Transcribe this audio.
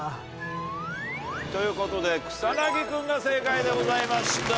ということで草薙君が正解でございました。